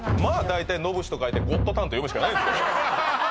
大体野武士と書いて「ゴッドタン」と読むしかないです